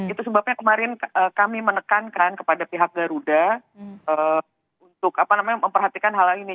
itu sebabnya kemarin kami menekankan kepada pihak garuda untuk memperhatikan hal ini